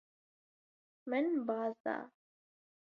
Min baz da.